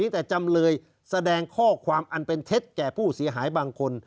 แต่จำเลยแสดงข้อความอันเป็นเท็จแก่ผู้เสียหายบางคน